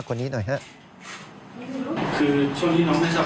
คือช่วงที่น้องไม่สบายทำไม